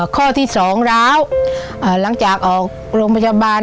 ข้อที่สองแล้วเอ่อหลังจากออกโรงพยาบาล